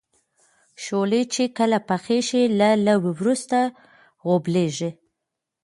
شولې چې کله پخې شي له لو وروسته غوبلیږي.